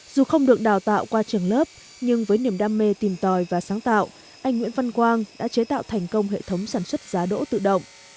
dù không được đào tạo qua trường lớp nhưng với niềm đam mê tìm tòi và sáng tạo anh nguyễn văn quang đã chế tạo thành công hệ thống sản xuất giá đỗ tự động